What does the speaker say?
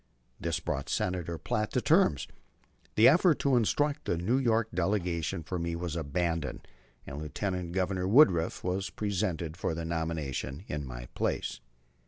This brought Senator Platt to terms. The effort to instruct the New York delegation for me was abandoned, and Lieutenant Governor Woodruff was presented for nomination in my place.